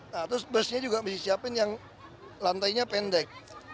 nah terus busnya juga mesti siapin yang lantainya pendek